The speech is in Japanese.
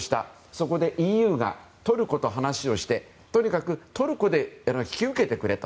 そこでＥＵがトルコと話をしてとにかくトルコで引き受けてくれと。